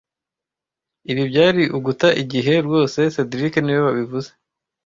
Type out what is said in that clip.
Ibi byari uguta igihe rwose cedric niwe wabivuze